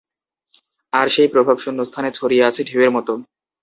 আর সেই প্রভাব শূন্যস্থানে ছড়িয়ে আছে ঢেউয়ের মতো।